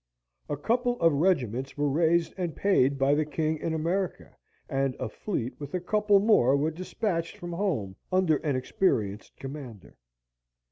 A couple of regiments were raised and paid by the king in America, and a fleet with a couple more was despatched from home under an experienced commander.